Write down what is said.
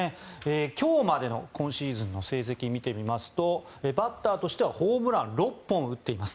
今日までの今シーズンの成績を見てみますとバッターとしてはホームラン６本打っています。